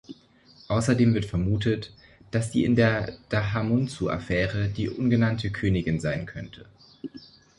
Außerdem wird vermutet, dass sie in der Dahamunzu-Affäre die ungenannte Königin sein könnte.